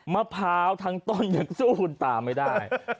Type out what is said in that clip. มะพร้าวทั้งต้นยังสู้คุณตาไม่ได้